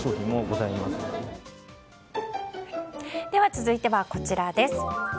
では続いてはこちらです。